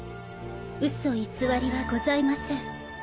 嘘偽りはございません。